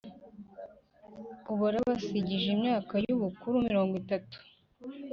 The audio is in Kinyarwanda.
Ubare abas gije imyaka y ubukuru mirongo itatu